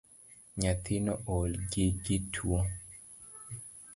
Nyathino oolo gi gi tuo